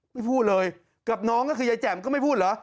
พูดเลยกับน้องก็คือยายแจ่มก็ไม่พูดเหรอ